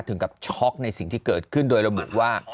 ถึงกับช็อกในสิ่งที่เกิดขึ้นโดยระบุว่า